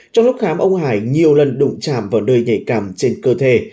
trong lúc khám ông hải nhiều lần đụng chạm vào nơi nhảy cằm trên cơ thể